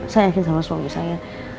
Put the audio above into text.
saya yakin sama suami saya